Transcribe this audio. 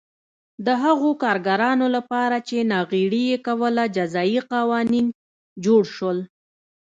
د هغو کارګرانو لپاره چې ناغېړي یې کوله جزايي قوانین جوړ شول